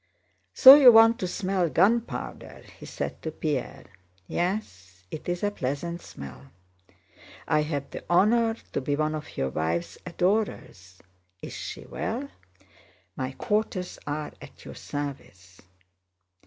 "So you want to smell gunpowder?" he said to Pierre. "Yes, it's a pleasant smell. I have the honor to be one of your wife's adorers. Is she well? My quarters are at your service."